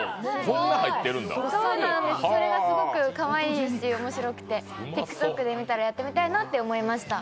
これがすごくかわいいし面白くてＴｉｋＴｏｋで見たら、やってみたいなって思いました。